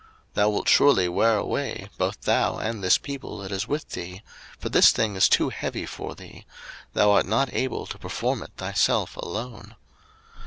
02:018:018 Thou wilt surely wear away, both thou, and this people that is with thee: for this thing is too heavy for thee; thou art not able to perform it thyself alone.